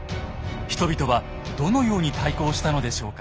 人々はどのように対抗したのでしょうか。